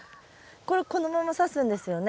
これこのままさすんですよね？